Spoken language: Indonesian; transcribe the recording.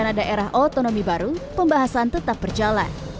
di mana daerah otonomi baru pembahasan tetap berjalan